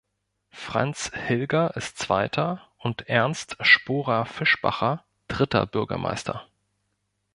Franz Hilger ist zweiter und Ernst Sporer-Fischbacher dritter Bürgermeister.